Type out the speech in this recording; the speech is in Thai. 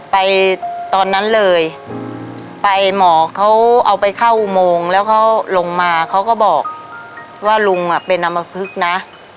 ตอนนั้นเลยไปหมอเขาเอาไปเข้าอุโมงแล้วเขาลงมาเขาก็บอกว่าลุงเป็นอำมพลึกนะ